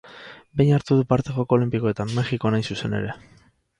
Behin hartu du parte Joko Olinpikoetan: Mexikon hain zuzen ere.